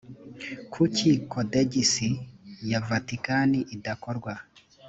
kuki kodegisi ya vatikani idakorwa